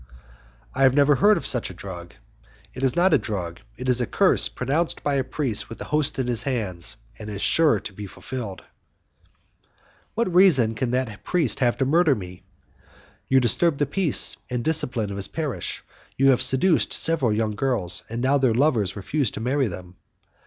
"I have never heard of such a drug." "It is not a drug. It is a curse pronounced by a priest with the Host in his hands, and it is sure to be fulfilled." "What reason can that priest have to murder me?" "You disturb the peace and discipline of his parish. You have seduced several young girls, and now their lovers refuse to marry them."